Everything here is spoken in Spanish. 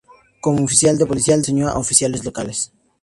Como oficial de policía, enseñó a oficiales locales.